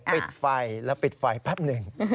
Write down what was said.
ปิดไฟแล้วปิดไฟแป๊บหนึ่ง